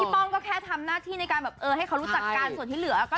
พี่ปองก็แค่ทำหน้าที่ให้เขารู้จักกันส่วนที่เหลือแล้วก็